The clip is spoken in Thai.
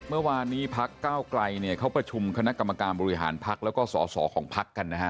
เมื่อวานนี้พักก้าวไกลเนี่ยเขาประชุมคณะกรรมการบริหารพักแล้วก็สอสอของพักกันนะฮะ